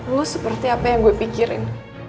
lo seperti apa yang gue pikirin